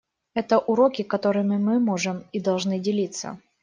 Это уроки, которыми мы можем и должны делиться.